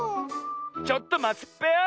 ちょっとまつっぺよ！